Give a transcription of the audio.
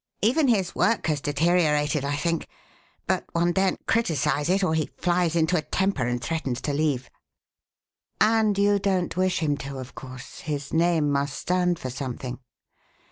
Even his work has deteriorated, I think, but one daren't criticise it or he flies into a temper and threatens to leave." "And you don't wish him to, of course his name must stand for something."